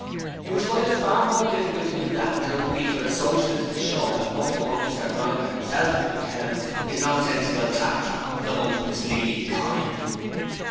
He would find it far more difficult to do that than it would be for a Socialist to show that most of what Mr Grinder himself has been telling us is nonsensical claptrap of the most misleading kind.